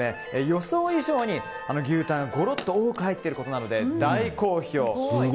予想以上に牛タンがごろっと多く入っていることなどで大好評。